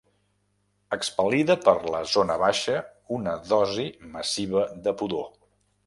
Expel·lida per la zona baixa una dosi massiva de pudor.